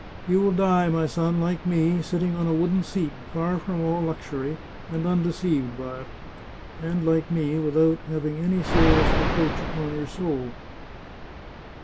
"You will die, my son, like me, sitting on a wooden seat, far from all luxury, and undeceived by it. And, like me, without having any serious reproach upon your soul.